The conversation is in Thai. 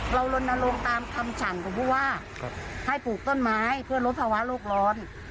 เราลนโนโลงตามคำฉั่งผมพูดว่าให้ปลูกต้นไม้เพื่อลดภาวะโลกร้อน